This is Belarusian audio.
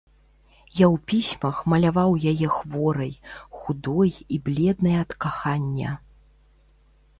Я ў пісьмах маляваў яе хворай, худой і бледнай ад кахання.